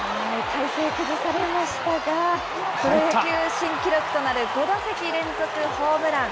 体勢崩されましたが、プロ野球新記録となる５打席連続ホームラン。